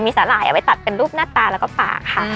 มีสารายไปตัดเป็นรูปหน้าตาและปากค่ะ